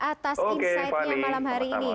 atas insight nya malam hari ini